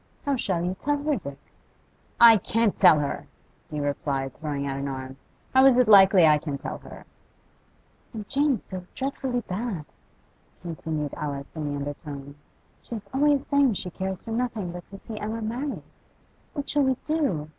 'How shall you tell her, Dick?' 'I can't tell her!' he replied, throwing out an arm. 'How is it likely I can tell her?' 'And Jane's so dreadfully bad,' continued Alice in the undertone. 'She's always saying she cares for nothing but to see Emma married. What shall we do?